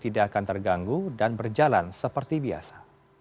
tidak akan terganggu dan berjalan seperti biasa